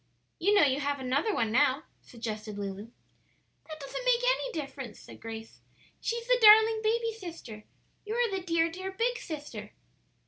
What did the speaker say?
"You know you have another one now," Suggested Lulu. "That doesn't make any difference," said Grace. "She's the darling baby sister; you are the dear, dear big sister."